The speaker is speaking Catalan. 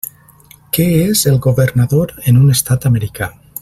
Què és el governador en un estat americà.